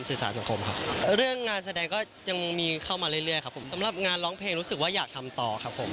สังคมครับเรื่องงานแสดงก็ยังมีเข้ามาเรื่อยเรื่อยครับผมสำหรับงานร้องเพลงรู้สึกว่าอยากทำต่อครับผม